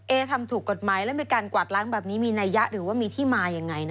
ทำถูกกฎหมายแล้วมีการกวาดล้างแบบนี้มีนัยยะหรือว่ามีที่มายังไง